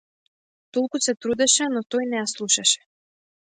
Толку се трудеше, но тој не ја слушаше.